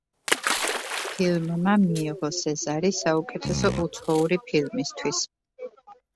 ფილმმა მიიღო სეზარი საუკეთესო უცხოური ფილმისთვის.